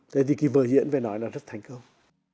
thế thì cái vở diễn về nói là rất thành công